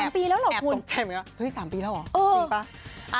๓ปีแล้วหรอจริงป่ะ